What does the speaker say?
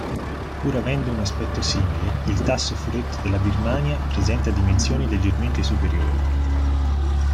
Pur avendo un aspetto simile, il tasso furetto della Birmania presenta dimensioni leggermente superiori.